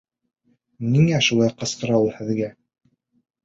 Ниңә шулай ҡысҡыра ул һеҙгә?